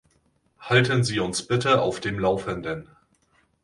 Halten Sie uns bitte auf dem Laufenden!